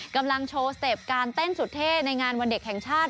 กำลังโชว์สเต็ปการเต้นสุดเท่ในงานวันเด็กแห่งชาติ